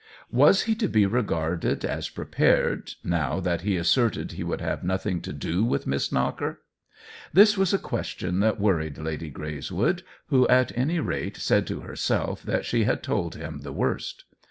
Was he to be regarded as prepared, now that he asserted he would have nothing to do with Miss Knocker? This was a question that worried Lady Greys wood, who at any rate said to herself that she had told him the worst.